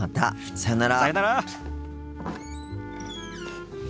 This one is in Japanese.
さよなら。